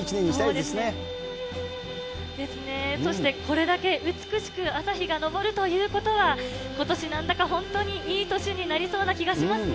ですね、そしてこれだけ美しく朝日が昇るということは、今年なんだか本当にいい年になりそうな気がしますね。